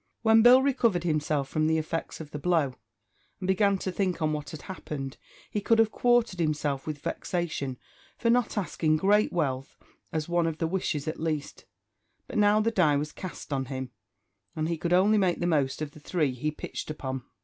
When Billy recovered himself from the effects of the blow, and began to think on what had happened, he could have quartered himself with vexation for not asking great wealth as one of the wishes at least; but now the die was cast on him, and he could only make the most of the three he pitched upon.